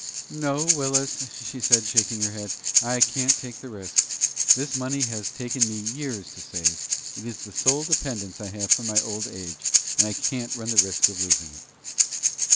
"No, Willis," she said, shaking her head, "I can't take any risk. This money it has taken me years to save. It is the sole dependence I have for my old age, and I can't run the risk of losing it."